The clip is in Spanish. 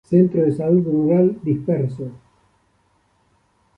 Centro de Salud Rural Disperso.